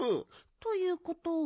ということは。